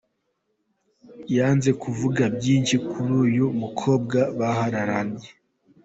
Yanze kuvuga byinshi kuri uyu mukobwa bahararanye.